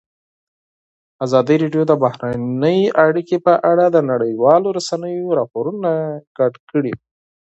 ازادي راډیو د بهرنۍ اړیکې په اړه د نړیوالو رسنیو راپورونه شریک کړي.